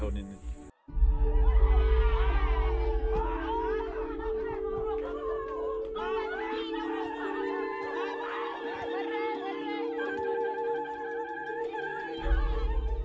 habis kan tentu setahun ini